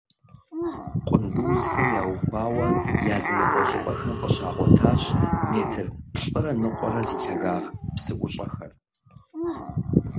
Къундузхэм яухуауэ языныкъуэ щӀыпӀэхэм къыщагъуэтащ метр плӀырэ ныкъуэрэ зи лъагагъ псыӀущӀэхэр.